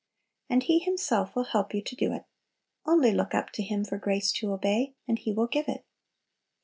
And He Himself will help you to do it; only look up to Him for grace to obey, and He will give it.